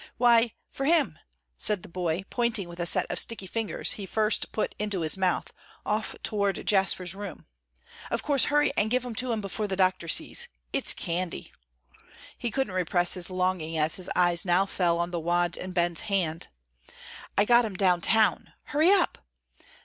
"Why, for him," said the boy, pointing with a set of sticky fingers he first put into his mouth, off toward Jasper's room. "Of course; hurry and give 'em to him before the doctor sees. It's candy." He couldn't repress his longing as his eyes now fell on the wads in Ben's hands. "I got 'em down town. Hurry up!"